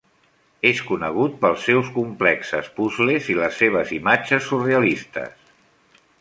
És conegut pels seus complexes puzles i les seves imatges surrealistes.